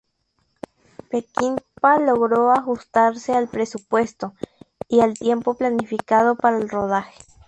Peckinpah logró ajustarse al presupuesto y al tiempo planificado para el rodaje.